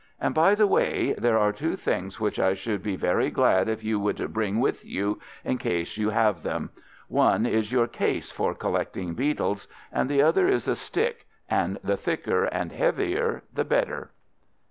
And, by the way, there are two things which I should be very glad if you would bring with you, in case you have them. One is your case for collecting beetles, and the other is a stick, and the thicker and heavier the better."